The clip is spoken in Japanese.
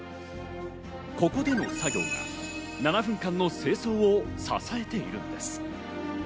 ここでの作業が７分間の清掃を支えているのです。